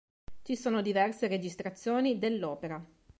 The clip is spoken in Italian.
Ci sono diverse registrazioni dell'opera.